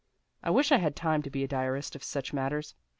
I wish I had time to be diarist of such matters.